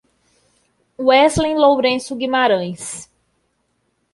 Weslen Lourenco Guimaraes